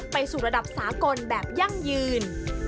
ไปสู่ระดับสากลแบบยั่งยืน